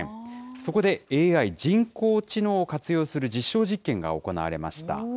そこでＡＩ・人工知能を活用する実証実験が行われました。